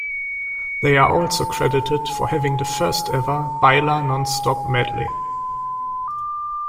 They are also credited for having the first ever baila non stop medley.